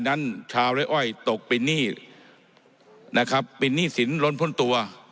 ชาวไร้อ้อยตกเป็นหนี้นะครับเป็นหนี้สินล้นพ่นตัว